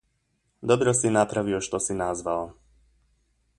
Dobro si napravio što si nazvao.